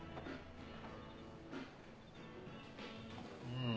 うん。